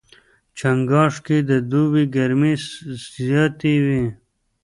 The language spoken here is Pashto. چنګاښ کې د دوبي ګرمۍ زیاتې وي.